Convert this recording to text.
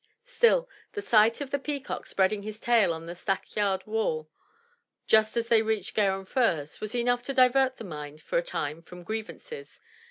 Still, the sight of the peacock spreading his tail on the stack yard wall, just as they reached Garum Firs, was enough to divert the mind for a time from grievances.